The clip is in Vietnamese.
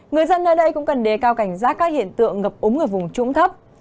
người dân ở đây cũng cần đề cao cảnh giác các hiện tượng ngập úng ở vùng trúng thấp